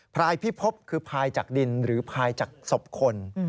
รายพิพบคือพายจากดินหรือพายจากศพคน